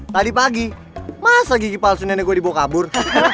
tadi pagi masa gigi palsu nenek gue dibawa kabur